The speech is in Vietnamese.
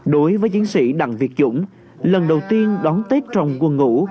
đối với chiến sĩ đặng việt dũng lần đầu tiên đón tết trong quần ngủ